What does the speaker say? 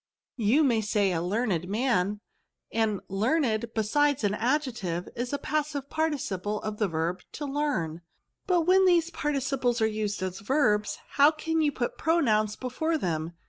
You may say also a learned man ; and learned, besides being an adjiective, is the passive par ticiple of the verb to learn. But when these participles are used as verbs, how can you put pronouns before them